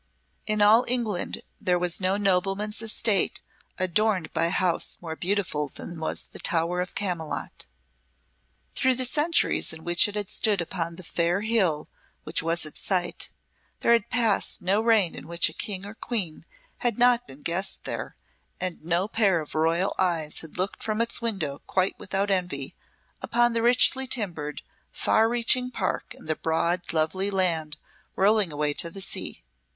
In all England there was no nobleman's estate adorned by a house more beautiful than was the Tower of Camylott. Through the centuries in which it had stood upon the fair hill which was its site, there had passed no reign in which a king or queen had not been guest there, and no pair of royal eyes had looked from its window quite without envy, upon the richly timbered, far reaching park and the broad lovely land rolling away to the sea.